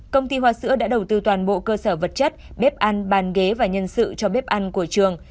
công ty hoa sữa đã đầu tư toàn bộ cơ sở vật chất bếp ăn bàn ghế và nhân sự cho bếp ăn của trường